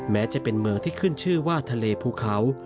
แม้จะเป็นเมืองที่ขึ้นชื่อว่าทะเลภูเขา